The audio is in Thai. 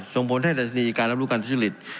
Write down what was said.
ส่งผลให้ดัชนีการรับรู้การทุจริต